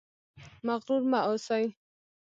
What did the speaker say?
مغرور مه اوسئ